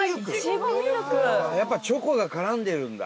やっぱチョコが絡んでるんだ？